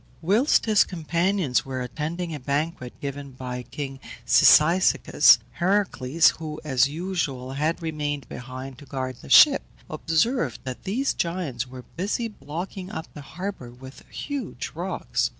Whilst his companions were attending a banquet given by king Cyzicus, Heracles, who, as usual, had remained behind to guard the ship, observed that these Giants were busy blocking up the harbour with huge rocks.